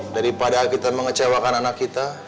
daripada kita mengecewakan anak kita